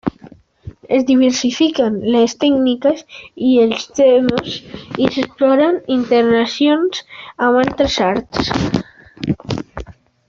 Es diversifiquen les tècniques i els temes, i s'exploren interaccions amb altres arts.